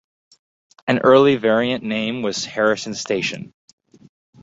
An early variant name was Harrison Station.